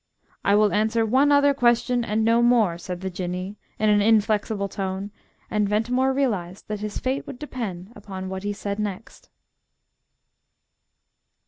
"I will answer one other question, and no more," said the Jinnee, in an inflexible tone; and Ventimore realised that his fate would depend upon what he said next.